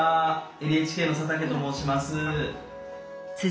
ＮＨＫの佐竹と申します。